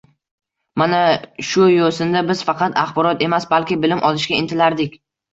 Mana shu yo`sinda biz faqat axborot emas, balki bilim olishga intilardik